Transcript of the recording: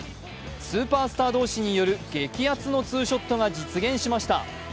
スーパースター同士による激アツのツーショットが実現しました。